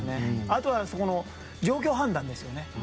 あとは、状況判断ですよね。